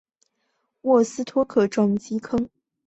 沃斯托克撞击坑探测的火星撞击坑。